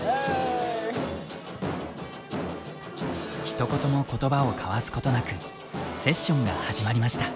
ひと言も言葉を交わすことなくセッションが始まりました。